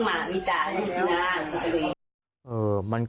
ก็ไม่ได้อยู่กันมาก